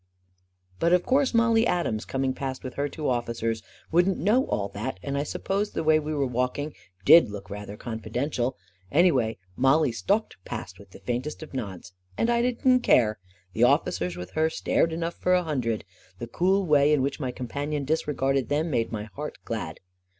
But of course Mollie Adams, coming past with her two officers, wouldn't know all that, and I suppose the way we were walking did look rather confi dential. Anyway Mollie stalked past with the faint* A KING IN BABYLON 63 est of nods — and I didn't care ! The officers with her stared enough for a hundred. The cool way in which my companion disregarded them made my heart glad.